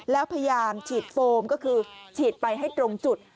แล้วพยายามฉีดโฟมก็คือฉีดไปให้ตรงจุด